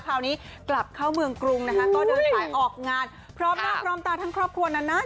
คราวนี้กลับเข้าเมืองกรุงนะคะก็เดินสายออกงานพร้อมหน้าพร้อมตาทั้งครอบครัวนาน